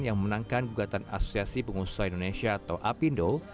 yang menangkan gugatan asosiasi pengusaha indonesia atau apindo